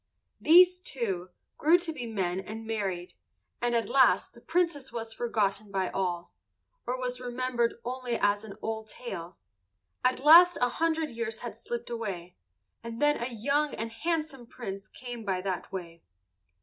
These, too, grew to be men and married, and at last the Princess was forgotten by all, or was remembered only as an old tale. At last a hundred years had slipped away, and then a young and handsome Prince came by that way.